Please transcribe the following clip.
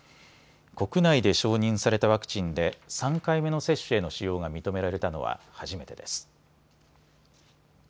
国内で承認されたワクチンで３回目の接種への使用が認められたのは初めてです。